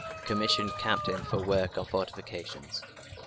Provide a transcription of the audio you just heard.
Commissioned captain for work on fortifications.